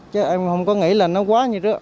chứ em không có nghĩ là nó quá gì đó